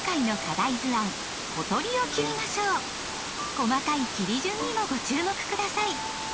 細かい切り順にもご注目下さい！